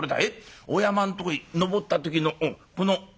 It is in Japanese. お山んとこへ登った時のこの菅笠だよ。